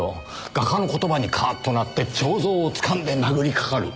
画家の言葉にカッとなって彫像をつかんで殴りかかる。